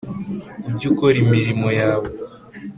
Ujye ukora imirimo yawe